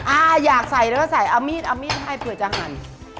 อ่าอยากใส่แล้วก็ใส่เอามีดเอามีดให้เผื่อจะหั่น